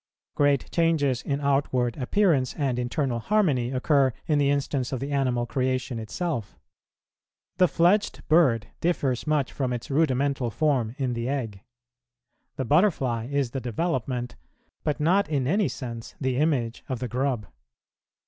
Great changes in outward appearance and internal harmony occur in the instance of the animal creation itself. The fledged bird differs much from its rudimental form in the egg. The butterfly is the development, but not in any sense the image, of the grub.